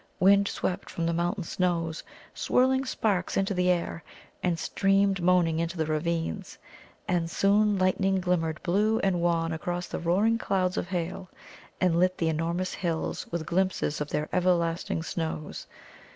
Wind swept from the mountain snows, swirling sparks into the air, and streamed moaning into the ravines. And soon lightning glimmered blue and wan across the roaring clouds of hail, and lit the enormous hills with glimpses of their everlasting snows.